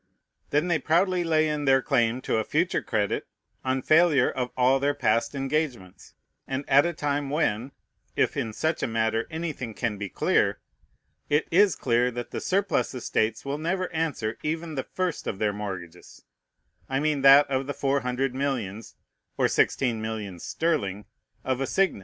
Then they proudly lay in their claim to a future credit, on failure of all their past engagements, and at a time when (if in such a matter anything can be clear) it is clear that the surplus estates will never answer even the first of their mortgages, I mean that of the four hundred millions (or sixteen millions sterling) of assignats.